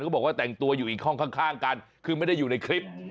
บอกว่าแต่งตัวอยู่อีกห้องข้างกันคือไม่ได้อยู่ในคลิป